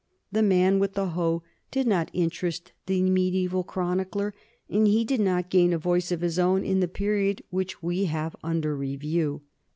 The man with the hoe did not interest the mediaeval chronicler, and he did not gain a voice of his own in the period which we have un der review.